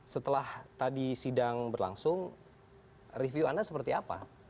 setelah tadi sidang berlangsung review anda seperti apa